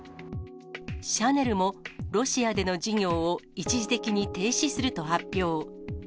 シャネルも、ロシアでの事業を一時的に停止すると発表。